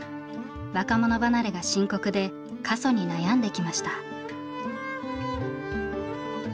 若者離れが深刻で過疎に悩んできました。